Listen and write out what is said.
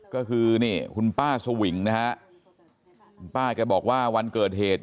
ก็คือนี่คุณป้าสวิงนะฮะคุณป้าแกบอกว่าวันเกิดเหตุ